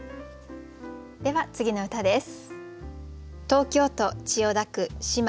では次の歌です。